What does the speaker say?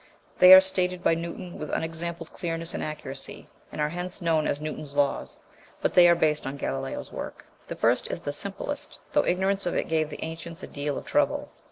They are stated by Newton with unexampled clearness and accuracy, and are hence known as Newton's laws, but they are based on Galileo's work. The first is the simplest; though ignorance of it gave the ancients a deal of trouble.